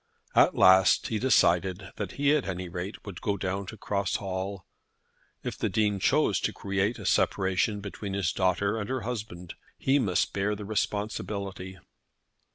At last he decided that he, at any rate, would go down to Cross Hall. If the Dean chose to create a separation between his daughter and her husband, he must bear the responsibility.